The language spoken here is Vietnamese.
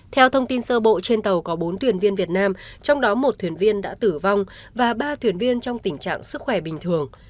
theo thông tin sơ bộ trên tàu có bốn thuyền viên việt nam trong đó một thuyền viên đã tử vong và ba thuyền viên trong tình trạng sức khỏe bình thường